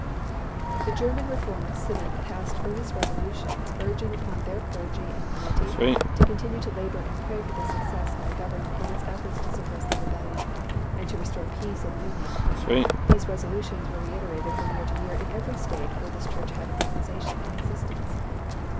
The German Reformed Synod passed earnest resolutions ui'ging upon their clergy and laity to continue to labor and pray for the success of the Government in its efforts to suppress the rebellion, and to restore peace and union. These resolutions were reiterated from year to year in every State where this church had an organization in existence.